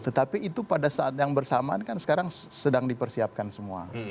tetapi itu pada saat yang bersamaan kan sekarang sedang dipersiapkan semua